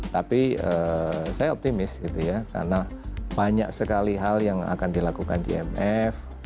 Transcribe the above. tapi saya optimis karena banyak sekali hal yang akan dilakukan gmf